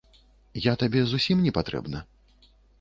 Я табе зусім не патрэбна?